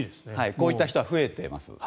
こういった人は増えてます。